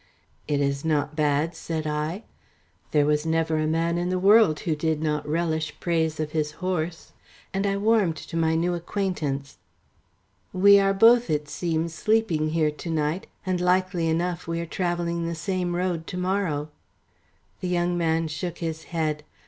"It is not bad," said I. There was never a man in the world who did not relish praise of his horse, and I warmed to my new acquaintance. "We are both, it seems, sleeping here to night, and likely enough we are travelling the same road to morrow." The young man shook his head.